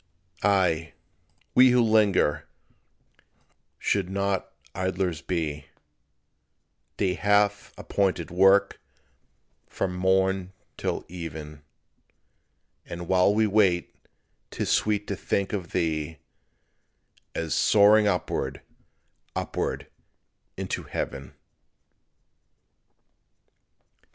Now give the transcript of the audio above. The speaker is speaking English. Ay, we who linger should not idlers be; Day hath appointed work from morn till even; And while we wait 'tis sweet to think of thee As "soaring upward, upward into heaven!"